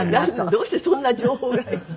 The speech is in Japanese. どうしてそんな情報が入って。